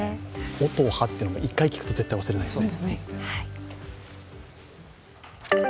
音初というのも、一回聞くと絶対忘れないですね。